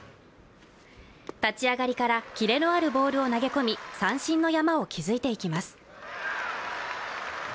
立ち上がりからキレのあるボールを投げ込み三振の山を築いていきます。